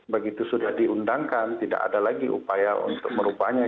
begitu sudah diundangkan tidak ada lagi upaya untuk merubahnya